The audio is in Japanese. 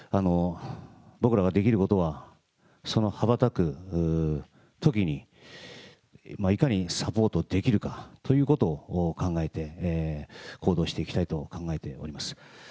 僕らができることは、その羽ばたくときにいかにサポートできるかということを考えて行動していきたいと考えております。